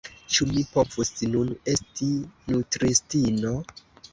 ĉu mi povus nun esti nutristino?